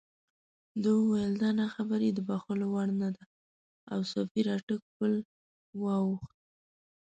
ده وویل دا ناخبري د بښلو وړ نه ده او سفیر اټک پُل واوښت.